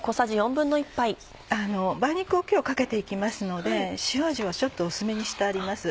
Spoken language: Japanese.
梅肉を今日かけて行きますので塩味はちょっと薄めにしてあります。